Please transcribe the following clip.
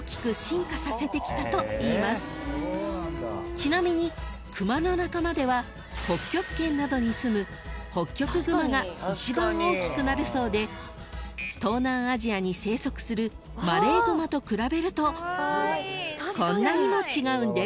［ちなみにクマの仲間では北極圏などにすむホッキョクグマが一番大きくなるそうで東南アジアに生息するマレーグマと比べるとこんなにも違うんです］